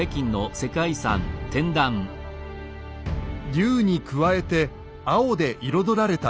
龍に加えて青で彩られた天主。